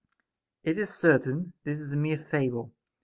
It is certain, this is a mere fable.